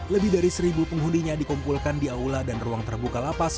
lebih dari seribu penghuninya dikumpulkan di aula dan ruang terbuka lapas